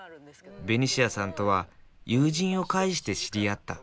ベニシアさんとは友人を介して知り合った。